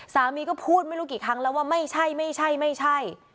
สามีก็พูดไม่รู้กี่ครั้งแล้วว่าไม่ใช่ไม่ใช่